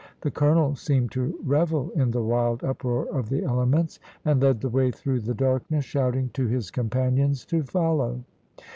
The colonel seemed to revel in the wild uproar of the elements, and led the way through the darkness, shouting to his companions to follow.